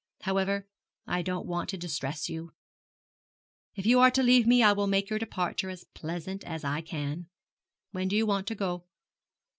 However, I don't want to distress you. If you are to leave me I will make your departure as pleasant as I can. When do you want to go?'